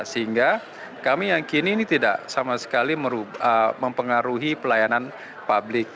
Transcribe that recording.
sehingga kami yakini ini tidak sama sekali mempengaruhi pelayanan publik